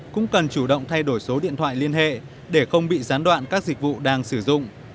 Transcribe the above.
cũng cần chủ động thay đổi số điện thoại liên hệ để không bị gián đoạn các dịch vụ đang sử dụng